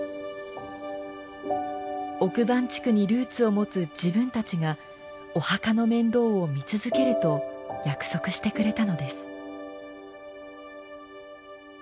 奥番地区にルーツを持つ自分たちがお墓の面倒を見続けると約束してくれたのです。